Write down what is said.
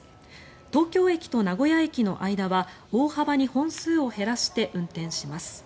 東京駅と名古屋駅の間は大幅に本数を減らして運転します。